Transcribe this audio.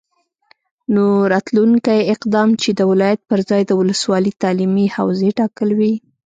نو راتلونکی اقدام چې د ولایت پرځای د ولسوالي تعلیمي حوزې ټاکل وي،